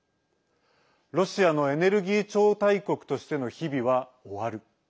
ロシアのエネルギー超大国としての日々は終わる。